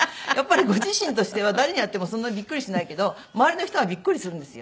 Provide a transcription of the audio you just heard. ご自身としては誰に会ってもそんなにびっくりしないけど周りの人はびっくりするんですよ。